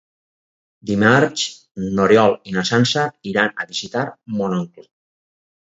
Dimarts n'Oriol i na Sança iran a visitar mon oncle.